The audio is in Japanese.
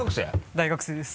大学生です。